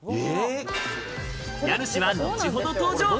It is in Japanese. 家主は後ほど登場。